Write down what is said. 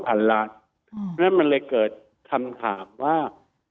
เพราะฉะนั้นมันเลยเกิดคำถามว่า